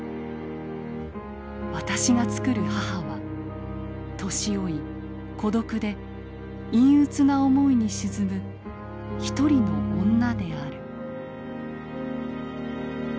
私が作る母は年老い孤独で陰鬱な思いに沈むひとりの女である」。